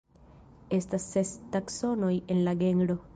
Estas ses taksonoj en la genro.